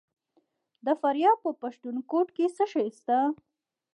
د فاریاب په پښتون کوټ کې څه شی شته؟